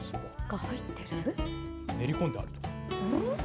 練り込んである？